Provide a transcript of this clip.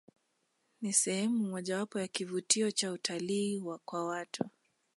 Ni sehemu mojawapo ya kivutio Cha utalii kwa watu